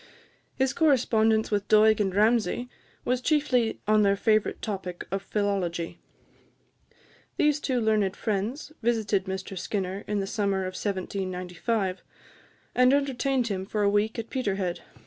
His correspondence with Doig and Ramsay was chiefly on their favourite topic of philology. These two learned friends visited Mr Skinner in the summer of 1795, and entertained him for a week at Peterhead.